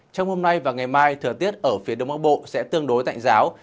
trong hôm nay và ngày mai thời tiết ở phía đông bắc bộ sẽ tương đối tạnh giáo